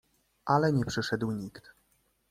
"Ale nie przyszedł nikt."